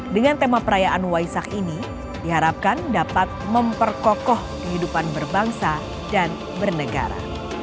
dengan tema perayaan waisak ini diharapkan dapat memperkokoh kehidupan berbangsa dan bernegara